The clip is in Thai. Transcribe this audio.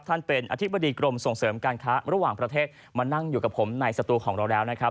ท่านเป็นอธิบดีกรมส่งเสริมการค้าระหว่างประเทศมานั่งอยู่กับผมในสตูของเราแล้วนะครับ